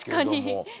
確かに。